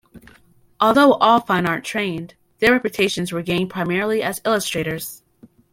Although all fine art trained, their reputations were gained primarily as illustrators.